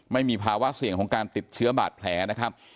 ไม่มีภาวะเสี่ยงของการติดเชื้อบาดแผลนะครับ